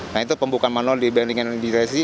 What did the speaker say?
nah itu pembukaan manual dibandingkan dengan digitalisasi